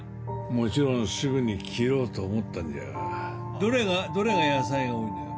もちろんすぐに切ろうと思ったんじゃがどれが？どれが野菜が多いのよ